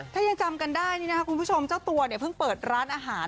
ถ้ายังจำกันได้คุณผู้ชมเจ้าตัวเพิ่งเปิดร้านอาหาร